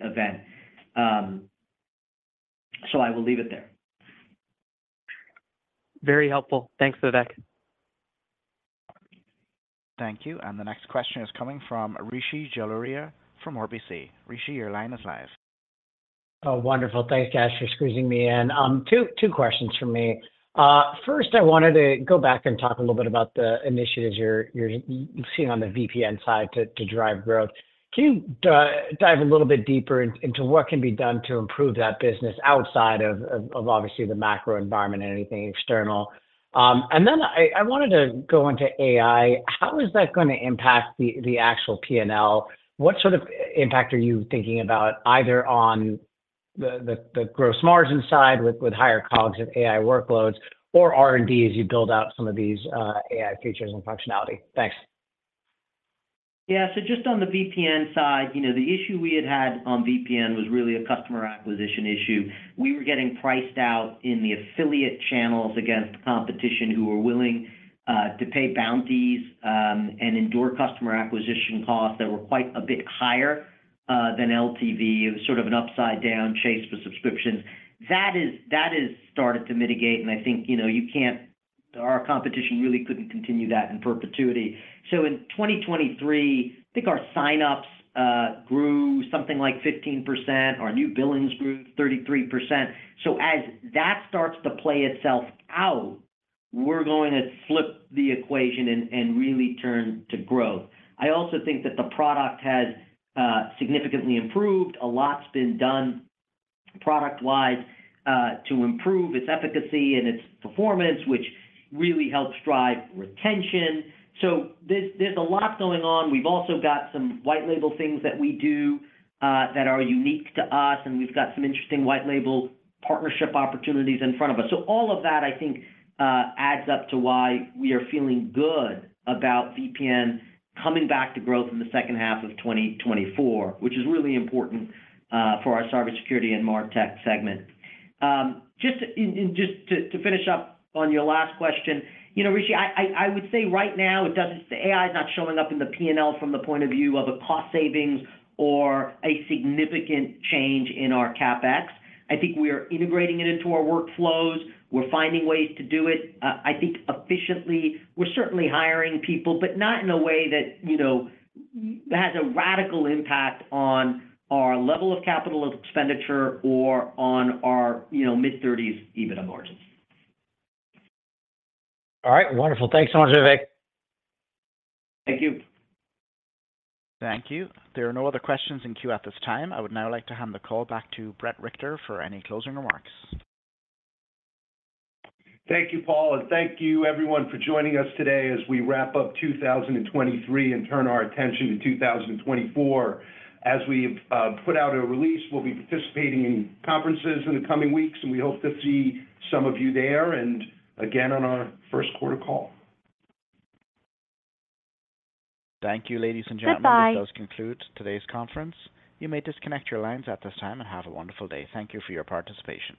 event. So I will leave it there. Very helpful. Thanks, Vivek. Thank you. The next question is coming from Rishi Jaluria from RBC. Rishi, your line is live. Oh, wonderful. Thanks, guys, for squeezing me in. Two questions from me. First, I wanted to go back and talk a little bit about the initiatives you're seeing on the VPN side to drive growth. Can you dive a little bit deeper into what can be done to improve that business outside of obviously the macro environment and anything external? And then I wanted to go into AI. How is that gonna impact the actual P&L? What sort of impact are you thinking about either on the gross margin side with higher costs of AI workloads or R&D as you build out some of these AI features and functionality? Thanks. Yeah. So just on the VPN side, you know, the issue we had had on VPN was really a customer acquisition issue. We were getting priced out in the affiliate channels against competition, who were willing to pay bounties and endure customer acquisition costs that were quite a bit higher than LTV. It was sort of an upside-down chase for subscriptions. That is, that has started to mitigate, and I think, you know, you can't—our competition really couldn't continue that in perpetuity. So in 2023, I think our sign-ups grew something like 15%, our new billings grew 33%. So as that starts to play itself out, we're going to flip the equation and really turn to growth. I also think that the product has significantly improved. A lot's been done product-wise, to improve its efficacy and its performance, which really helps drive retention. So there's a lot going on. We've also got some white-label things that we do, that are unique to us, and we've got some interesting white-label partnership opportunities in front of us. So all of that, I think, adds up to why we are feeling good about VPN coming back to growth in the second half of 2024, which is really important, for our services, security and MarTech segment. And just to finish up on your last question, you know, Rishi, I would say right now, it doesn't, the AI is not showing up in the P&L from the point of view of a cost savings or a significant change in our CapEx. I think we are integrating it into our workflows. We're finding ways to do it, I think efficiently. We're certainly hiring people, but not in a way that, you know, has a radical impact on our level of capital expenditure or on our, you know, mid-30s EBITDA margins. All right. Wonderful. Thanks so much, Vivek. Thank you. Thank you. There are no other questions in queue at this time. I would now like to hand the call back to Bret Richter for any closing remarks. Thank you, Paul, and thank you everyone for joining us today as we wrap up 2023 and turn our attention to 2024. As we put out a release, we'll be participating in conferences in the coming weeks, and we hope to see some of you there and again on our first quarter call. Thank you, ladies and gentlemen. Goodbye. This does conclude today's conference. You may disconnect your lines at this time, and have a wonderful day. Thank you for your participation.